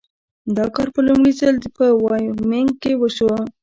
دا کار په لومړي ځل په وایومینګ کې وشو.